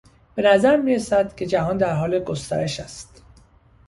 به نظر میرسد که جهان در حال گسترش است.